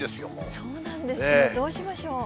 そうなんですね、どうしましょう。